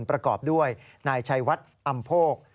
ประกอบด้วยนายชัยวัดอำโพก